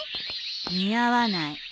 似合わない。